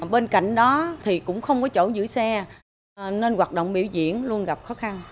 bên cạnh đó thì cũng không có chỗ giữ xe nên hoạt động biểu diễn luôn gặp khó khăn